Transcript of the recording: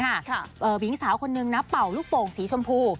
หญิงสาวคนนึงนะเป่าลูกโป่งสีชมพู